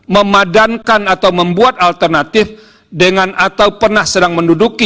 memadankan atau membuat alternatif dengan atau pernah sedang menduduki